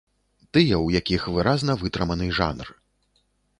Тыя, у якіх выразна вытрыманы жанр.